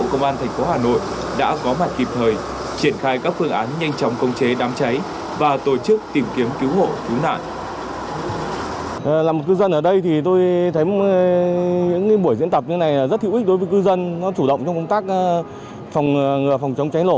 công an tp hà nội đã có mặt kịp thời triển khai các phương án nhanh chóng công chế đám cháy